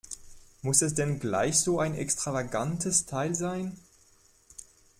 Muss es denn gleich so ein extravagantes Teil sein?